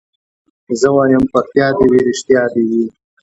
زه وايم پکتيا دي وي رښتيا دي وي